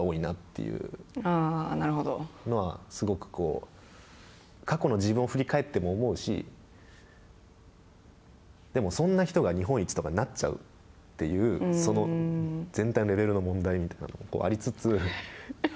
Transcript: というのは、すごくこう過去の自分を振り返っても思うしでも、そんな人が日本一になっちゃうというその全体のレベルの問題とかもありつつ。